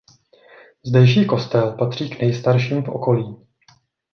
Zdejší kostel patří k nejstarším v okolí.